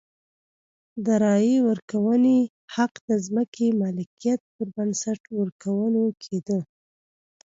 د رایې ورکونې حق د ځمکې مالکیت پر بنسټ ورکول کېده.